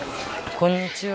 こんにちは。